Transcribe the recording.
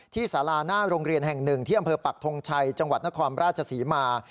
สาราหน้าโรงเรียนแห่งหนึ่งที่อำเภอปักทงชัยจังหวัดนครราชศรีมา